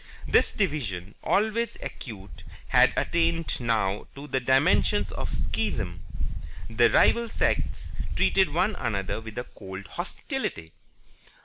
This division, always acute, had attained now to the dimensions of a Schism. The rival sects treated one another with a cold hostility.